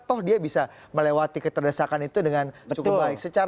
toh dia bisa melewati keterdesakan itu dengan cukup baik